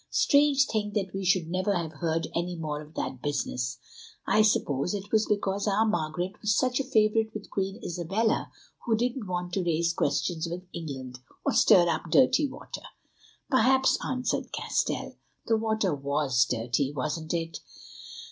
Strange thing that we should never have heard any more of that business. I suppose it was because our Margaret was such a favourite with Queen Isabella who didn't want to raise questions with England, or stir up dirty water." "Perhaps," answered Castell. "The water was dirty, wasn't it?"